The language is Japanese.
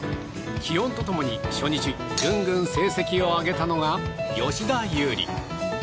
気温と共に初日、ぐんぐん成績を上げたのが吉田優利。